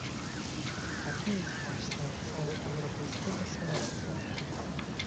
Taki jest właśnie cel europejskiego semestru